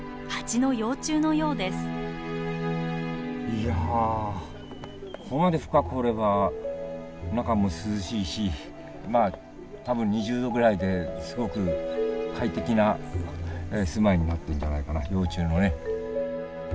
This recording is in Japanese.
いやここまで深く掘れば中も涼しいしまあ多分２０度ぐらいですごく快適なすまいになってんじゃないかな幼虫のね。